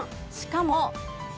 しかも。